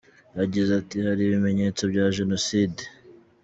Yagize ati “Hari ibimenyetso bya jenoside.